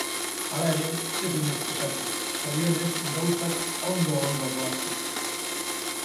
Halere, ezin naiz kexatu, zorionez gauzak oso ondo doazkit.